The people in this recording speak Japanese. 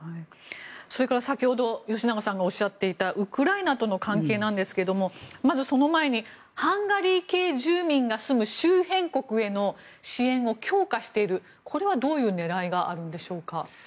それから先ほど吉永さんがおっしゃっていたウクライナとの関係なんですがまず、その前にハンガリー系住民が住む周辺国への支援を強化しているこれはどういう狙いがあるんでしょうか。